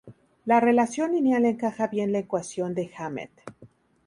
La relación lineal encaja bien en la ecuación de Hammett.